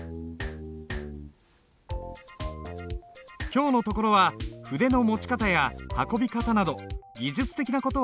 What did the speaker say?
今日のところは筆の持ち方や運び方など技術的な事は気にしない。